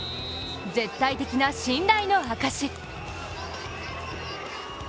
絶対的な信頼の証。